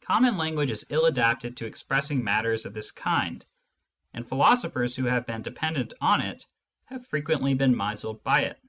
Common language is ill adapted to expressing matters of this kind, and philosophers who have been dependent on it have frequently been misled by it.